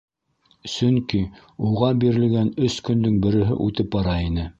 Сөнки уға бирелгән өс көндөң береһе үтеп бара ине.